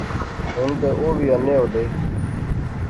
ہُن تے اوہ وی انے ہولے